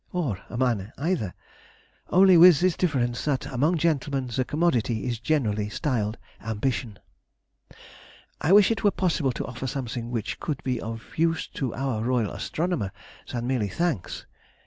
or a man either? only with this difference, that among gentlemen the commodity is generally styled ambition. I wish it were possible to offer something which could be of use to our Royal Astronomer than merely thanks.